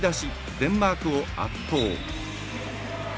デンマークを圧倒。